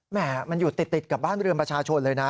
แม่มันอยู่ติดกับบ้านเรือนประชาชนเลยนะ